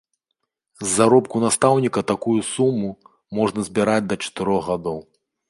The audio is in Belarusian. З заробку настаўніка такую суму можна збіраць да чатырох гадоў.